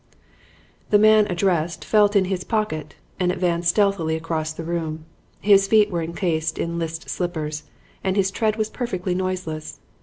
"The man addressed felt in his pocket and advanced stealthily across the room. His feet were encased in list slippers and his tread was perfectly noiseless.